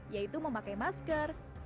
yaitu memakai masker